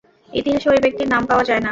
ইতিহাসে ঐ ব্যক্তির নাম পাওয়া যায় না।